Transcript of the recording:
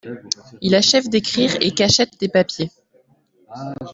Il achève d'écrire et cachette des papiers.